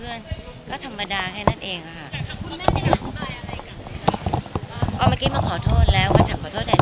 แล้วก็ฝากไว้นิดนึงว่าพรุ่งนี้พี่กลับเขาก็ยังอยู่จนกว่าวันจะเผา